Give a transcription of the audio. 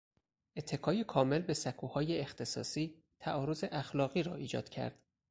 اتکای کامل به سکوهای اختصاصی، تعارض اخلاقی را ایجاد کرد